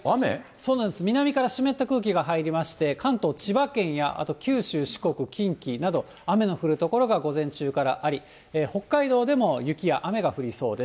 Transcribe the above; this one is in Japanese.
南から湿った空気が入りまして、関東、千葉県や九州、四国、近畿など、雨が降る所が午前中あり、北海道でも雪や雨が降りそうです。